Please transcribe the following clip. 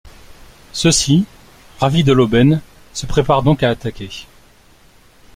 Ceux-ci, ravis de l'aubaine, se préparent donc à attaquer.